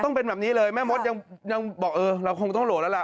ต้องเป็นแบบนี้เลยแม่มดยังบอกเออเราคงต้องโหลดแล้วล่ะ